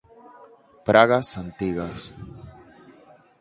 Pragas antigas.